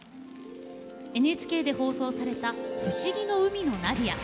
ＮＨＫで放送された「ふしぎの海のナディア」。